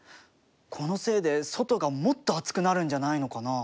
このせいで外がもっと暑くなるんじゃないのかな？